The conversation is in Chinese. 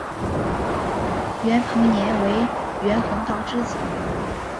袁彭年为袁宏道之子。